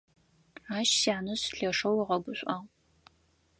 Ащ сянэжъ лъэшэу ыгъэгушӀуагъ.